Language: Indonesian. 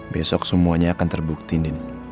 besok semuanya akan terbukti